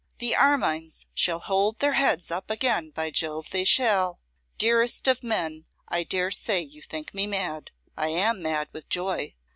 The Armines shall hold their heads up again, by Jove they shall! Dearest of men, I dare say you think me mad. I am mad with joy.